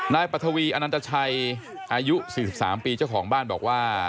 ปัทวีอนันตชัยอายุ๔๓ปีเจ้าของบ้านบอกว่า